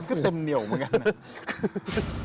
ก็เต็มเหนียวเหมือนกันนะ